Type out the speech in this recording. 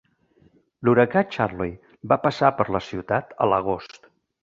L'huracà Charley va passar per la ciutat a l'agost.